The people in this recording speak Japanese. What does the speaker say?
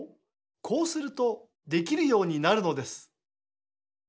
こうするとできるようになるのです。